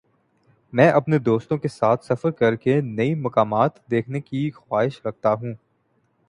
میں اپنے دوستوں کے ساتھ سفر کر کے نئی مقامات دیکھنے کی خواہش رکھتا ہوں۔